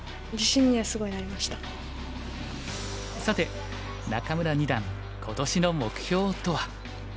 さて仲邑二段今年の目標とは。